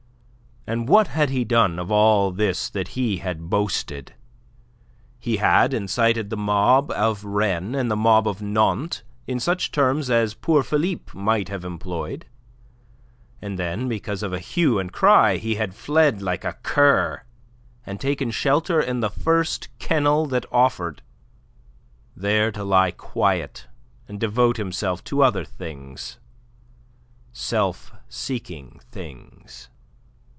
And what had he done of all this that he had boasted? He had incited the mob of Rennes and the mob of Nantes in such terms as poor Philippe might have employed, and then because of a hue and cry he had fled like a cur and taken shelter in the first kennel that offered, there to lie quiet and devote himself to other things self seeking things.